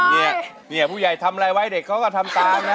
เนี่ยผู้ใหญ่ทำอะไรไว้เด็กเขาก็ทำตามนะ